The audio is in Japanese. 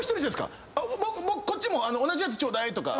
「こっちも同じやつちょうだい」とか。